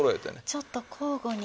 ちょっと交互に。